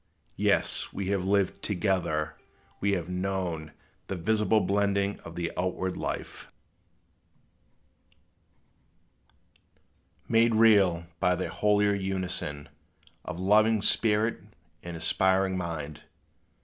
Yes, we have lived together; we have known The visible blending of the outward life Made real by the holier unison Of loving spirit and aspiring mind.